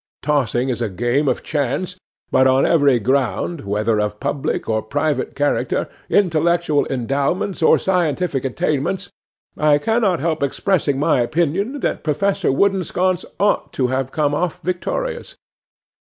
Tossing is a game of chance; but on every ground, whether of public or private character, intellectual endowments, or scientific attainments, I cannot help expressing my opinion that Professor Woodensconce ought to have come off victorious.